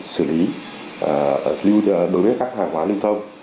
xử lý đối với các hàng hóa lưu thông